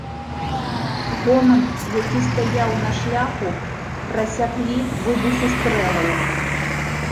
Гоман, які стаяў на шляху, прасяклі выбухі стрэлаў.